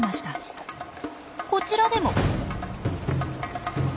こちらでも。